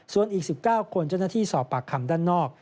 ส่วนอีก๑๙คนเจ้าหน้าที่สอบปากคำด้านนอก